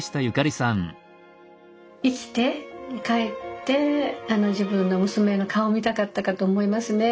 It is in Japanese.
生きて帰って自分の娘の顔を見たかったかと思いますね。